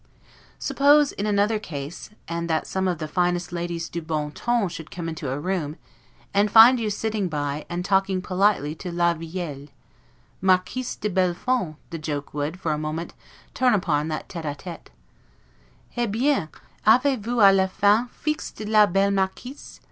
Suppose another case, and that some of the finest ladies 'du bon ton' should come into a room, and find you sitting by, and talking politely to 'la vieille' Marquise de Bellefonds, the joke would, for a moment, turn upon that 'tete a tete': He bien! avez vous a la fin fixd la belle Marquise?